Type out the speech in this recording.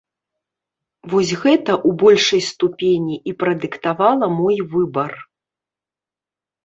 Вось гэта, у большай ступені, і прадыктавала мой выбар.